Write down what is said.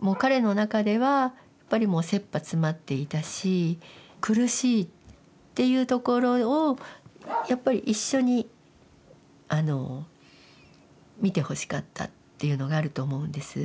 もう彼の中ではやっぱりもうせっぱ詰まっていたし苦しいっていうところをやっぱり一緒に見てほしかったっていうのがあると思うんです。